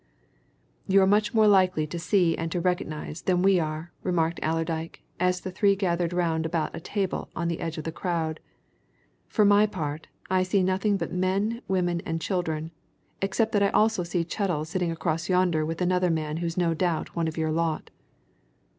"You're much more likely to see and to recognize than we are," remarked Allerdyke, as the three gathered round a table on the edge of the crowd. "For my part I see nothing but men, women, and children except that I also see Chettle, sitting across yonder with another man who's no doubt one of your lot."